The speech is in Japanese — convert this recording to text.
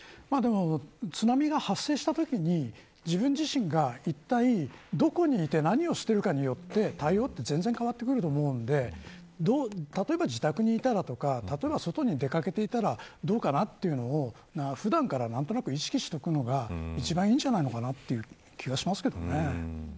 でも津波が発生したときに自分自身がいったいどこにいて何をしているかによって対応は全然、変わってくると思うので例えば自宅にいたらとか例えば外に出掛けていたらどうかなというのを普段から何となく意識しておくのが一番いいんじゃないのかなという気がしますけどね。